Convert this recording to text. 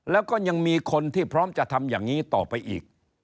แล้วก็ยังมีคนที่พร้อมจะทำอย่างนี้ต่อไปอีก